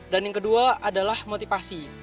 dan yang kedua adalah motivasi